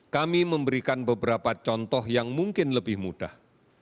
kami memberikan beberapa contoh yang mungkin lebih mudah